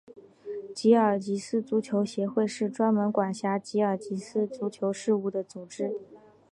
吉尔吉斯足球协会是专门管辖吉尔吉斯足球事务的组织。